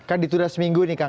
kan ditudah seminggu nih kan ya